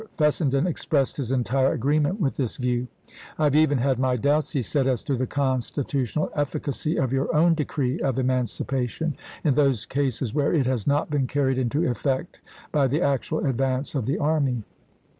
Fessenden expressed his entire agreement with this view. " I have even had my doubts," he said, " as to the constitutional efficacy of your own de cree of emancipation, in those cases where it has not been carried into effect by the actual advance Diary, of the army."